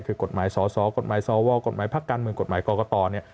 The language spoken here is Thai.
คือกฎหมายสอสอกฎหมายสวกฎหมายพักการเมืองกฎหมายกรกตเนี่ย